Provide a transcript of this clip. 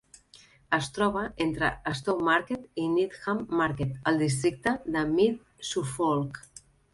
Es troba entre Stowmarket i Needham Market, al districte de Mid Suffolk.